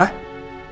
eh apaan sih pak